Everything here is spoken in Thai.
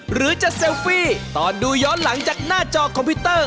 หรือจะเซลฟี่ตอนดูย้อนหลังจากหน้าจอคอมพิวเตอร์